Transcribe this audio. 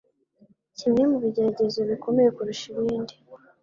Kimwe mu bigeragezo bikomeye kurusha ibindi